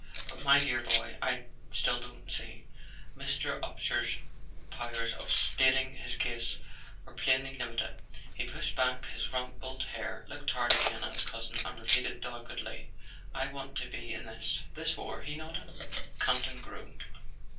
But, my dear boy, I still don't see " Mr. Upsher's powers of stating his case were plainly limited. He pushed back his rumpled hair, looked hard again at his cousin, and repeated doggedly: "I want to be in this." 44 This war?" He nodded. Campton groaned.